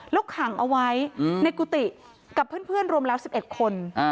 แล้วขังเอาไว้ในกุฏิกับเพื่อนรวมแล้ว๑๑คน